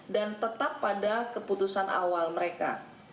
dan tetap pada keputusan awal mereka